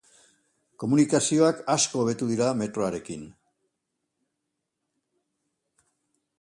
Komunikazioak asko hobetu dira metroarekin.